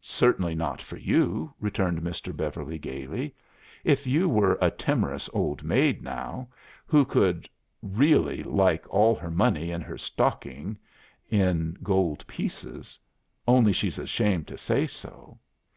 "'Certainly not for you,' returned Mr. Beverly, gaily. If you were a timorous old maid, now, who would really like all her money in her stocking in gold pieces, only she's ashamed to say so!